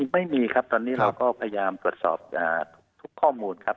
ไม่มีครับตอนนี้เราก็พยายามตรวจสอบทุกข้อมูลครับ